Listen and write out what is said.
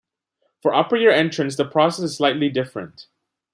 For upper year entrance the process is slightly different.